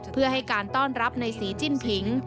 เพื่อให้การต้อนรับในสีจิ้นผิง